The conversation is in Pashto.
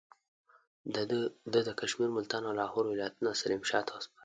ده د کشمیر، ملتان او لاهور ولایتونه سلیم شاه ته وسپارل.